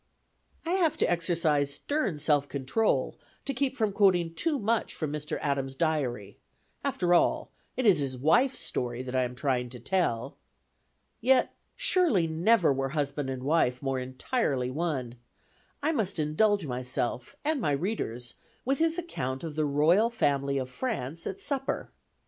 I have to exercise stern self control to keep from quoting too much from Mr. Adams' diary: after all, it is his wife's story that I am trying to tell. Yet surely never were husband and wife more entirely one I must indulge myself, and my readers, with his account of the Royal Family of France at supper.